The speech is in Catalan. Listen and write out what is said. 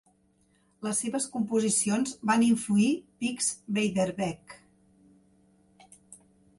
Les seves composicions van influir Bix Beiderbecke.